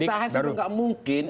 ditahan itu nggak mungkin